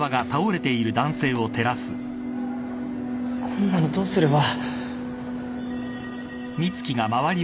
こんなのどうすれば。